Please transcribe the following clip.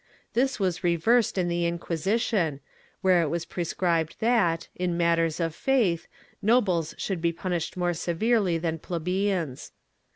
This was reversed in the Inquisition, where it was prescribed that, in matters of faith, nobles should be punished more severely than plebeians.